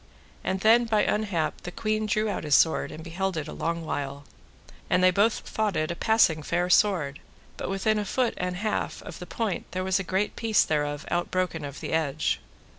And then by unhap the queen drew out his sword and beheld it a long while, and both they thought it a passing fair sword; but within a foot and an half of the point there was a great piece thereof out broken of the edge.